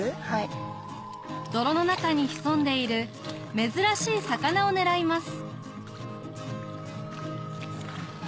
泥の中に潜んでいる珍しい魚を狙います